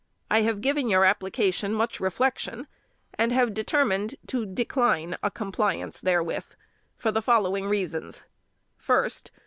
"I have given your application much reflection, and have determined to decline a compliance therewith for the following reasons: "First.